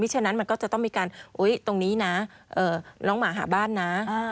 ฉะนั้นมันก็จะต้องมีการตรงนี้นะน้องหมาหาบ้านนะ